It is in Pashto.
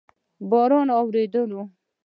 باران اوورېدو؟